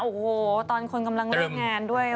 โอ้โหตอนคนกำลังเลิกงานด้วย